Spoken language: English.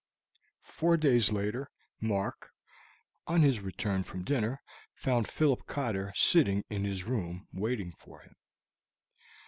Four days later Mark, on his return from dinner, found Philip Cotter sitting in his room waiting for him.